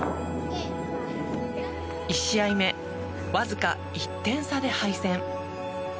１試合目、わずか１点差で敗戦。